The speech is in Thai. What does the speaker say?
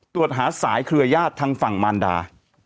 ตรวจหาสายเครือญาติทางฝั่งมารดา